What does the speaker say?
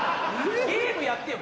ゲームやってよ